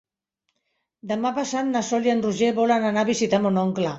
Demà passat na Sol i en Roger volen anar a visitar mon oncle.